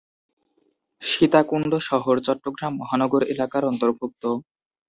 সীতাকুণ্ড শহর চট্টগ্রাম মহানগর এলাকার অন্তর্ভুক্ত।